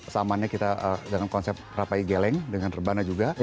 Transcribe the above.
samannya kita dengan konsep rapai geleng dengan rebana juga